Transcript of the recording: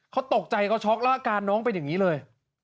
เขาตกใจเขาช็อกแล้วอาการน้องเป็นอย่างนี้เลย